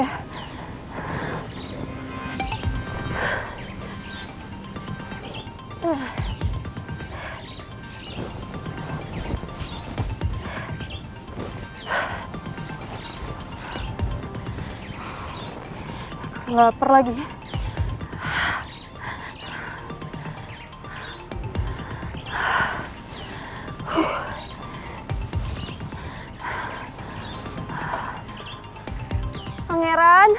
aku harus cepat cepat ngurus keberangkatannya